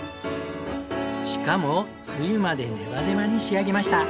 しかもつゆまでネバネバに仕上げました。